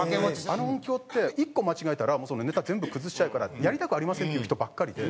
あの音響って１個間違えたらネタ全部崩しちゃうから「やりたくありません」って言う人ばっかりで。